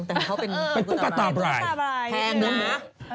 แต่เขาเป็นตุ๊กตาบรายแพงนะ